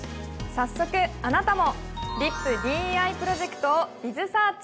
早速あなたもディップＤＥＩプロジェクトをｂｉｚｓｅａｒｃｈ。